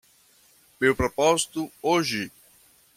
Meu propósito hoje